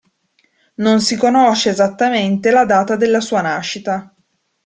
Non si conosce esattamente la data della sua nascita.